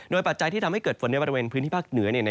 ปัจจัยที่ทำให้เกิดฝนในบริเวณพื้นที่ภาคเหนือ